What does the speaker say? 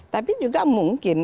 tapi juga mungkin